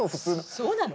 そうなの？